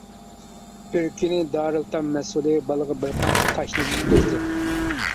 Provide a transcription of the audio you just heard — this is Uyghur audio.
بىر كۈنى، دارىلئېتام مەسئۇلى بالىغا بىر پارچە تاشنى تۇتقۇزدى.